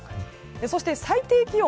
そして最低気温。